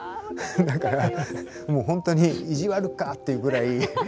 だからもうほんとに「意地悪か」っていうぐらい